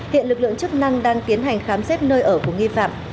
hiện lực lượng chức năng đang tiến hành khám xét nơi ở của nghi phạm